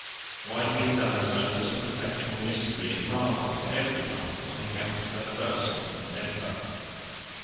Why he had done so was a perpetual mystery and marvel to every one on account of her person and temper.